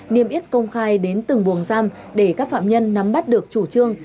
niêm yết công khai đến từng buồng giam để các phạm nhân nắm bắt được chủ trương